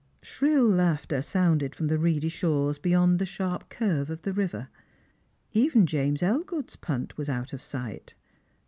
Slirill laughter sounded from the reedy shores beyond the sharp curve of the river. Even James Elgood's punt was out of sight.